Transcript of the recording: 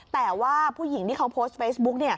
แต่ว่าผู้หญิงที่เขาโพสต์เฟซบุ๊ก